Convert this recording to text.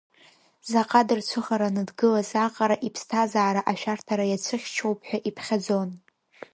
Заҟа дырцәыхараны дгылаз аҟара иԥсҭазаара ашәарҭара иацәыхьчоуп ҳәа иԥхьаӡон.